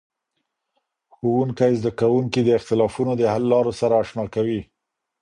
ښوونکی زدهکوونکي د اختلافونو د حللارو سره اشنا کوي.